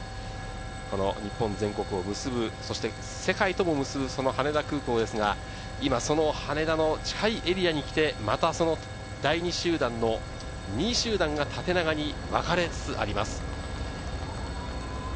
この日本全国を結ぶ、そして世界とも結ぶ羽田空港ですが今、その羽田の近いエリアに来て、また２位集団が縦長になりつつあります。